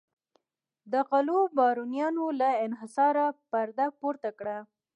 د غلو بارونیانو له انحصاره پرده پورته کړه.